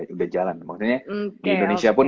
udah jalan maksudnya di indonesia pun